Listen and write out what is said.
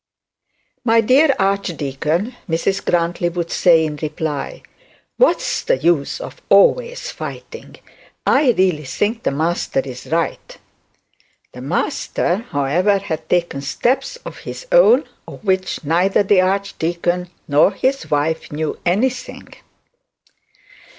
'My dear archdeacon,' Mrs Grantly would say in reply, 'what is the use of always fighting? I really think the Master is right.' The Master, however, had taken steps of his own, of which neither the archdeacon nor his wife knew anything.